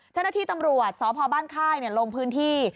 เจ้าหน้าที่ตำรวจสพบ้านค่ายลงพื้นที่